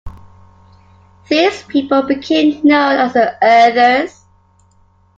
These people became known as the Erthers.